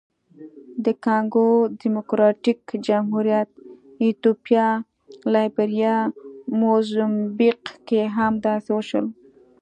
د کانګو ډیموکراتیک جمهوریت، ایتوپیا، لایبیریا، موزمبیق کې هم داسې وشول.